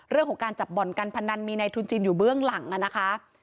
เรื่องของการจับบ่อนการพนันมีในทุนจีนอยู่เบื้องหลังนะคะ